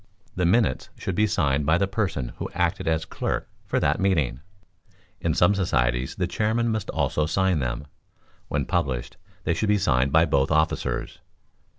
The minutes should be signed by the person who acted as clerk for that meeting: in some societies the chairman must also sign them. When published, they should be signed by both officers.